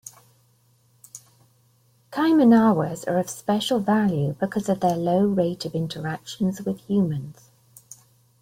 Kaimanawas are of special value because of their low rate of interaction with humans.